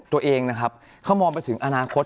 ตัวเองนะครับเขามองไปถึงอนาคต